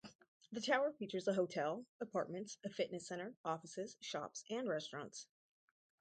The tower features a hotel, apartments, a fitness center, offices, shops and restaurants.